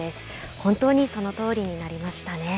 本当にそのとおりになりましたね。